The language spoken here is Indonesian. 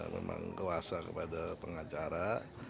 memang kuasa kepada pengacara